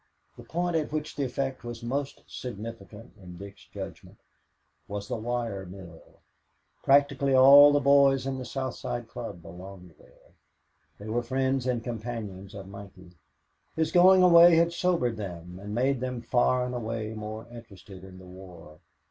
The point at which the effect was most significant, in Dick's judgment, was the wire mill. Practically all of the boys in the South Side Club belonged there. They were friends and companions of Mikey. His going away had sobered them and made them far and away more interested in the war.